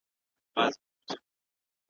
د ده د لیکنو پراخوالی